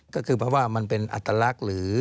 ก็คือเพราะว่ามันเป็นอัตลักษณ์หรือ